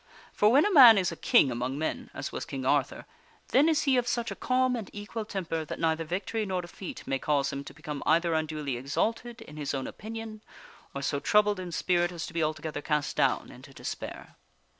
For when a man is a king among men, as was King Arthur, then is he of such a calm and equal temper that neither victory nor defeat may cause him to become either unduly exalted in his own opinion or so troubled in spirit as to be altogether cast down into despair.